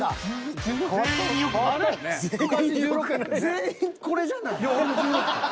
全員これじゃない。